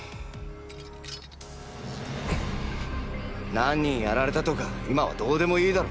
何人やられたとか今はどうでもいいだろ。